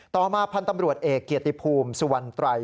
ต่อมาพันธ์ตำรวจเอกเกียรติภูมิสุวรรณไตร